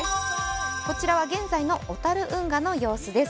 こちらは現在の小樽運河の様子です。